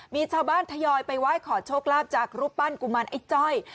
มีชาวบ้านทยอยไปไหว้ขอโชคลาภจากรูปปั้นกุมารไอ้จ้อย